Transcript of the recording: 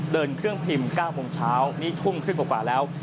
เดินเครื่องพิมพ์๙โมงเช้านี่ทุ่มครึ่งกว่าแล้ว